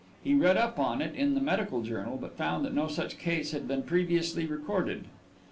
He read up on it in the medical journal, but found that no such case had been previously recorded.